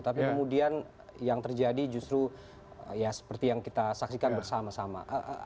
tapi kemudian yang terjadi justru ya seperti yang kita saksikan bersama sama